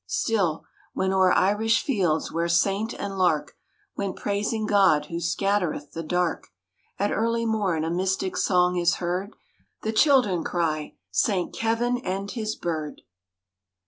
Still, when o'er Irish fields where saint and lark Went praising God who scattereth the dark, At early morn a mystic song is heard, The children cry, " Saint Kevin and his bird